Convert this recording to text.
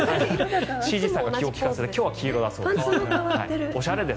ＣＧさんが気を利かせて今日は黄色だそうです。